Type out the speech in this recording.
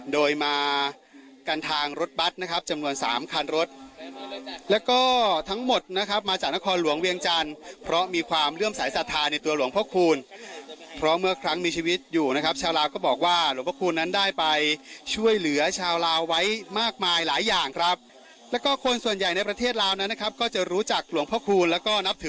โดยมากันทางรถบัตรนะครับจำนวนสามคันรถแล้วก็ทั้งหมดนะครับมาจากนครหลวงเวียงจันทร์เพราะมีความเลื่อมสายศรัทธาในตัวหลวงพ่อคูณเพราะเมื่อครั้งมีชีวิตอยู่นะครับชาวลาวก็บอกว่าหลวงพระคูณนั้นได้ไปช่วยเหลือชาวลาวไว้มากมายหลายอย่างครับแล้วก็คนส่วนใหญ่ในประเทศลาวนั้นนะครับก็จะรู้จักหลวงพ่อคูณแล้วก็นับถือ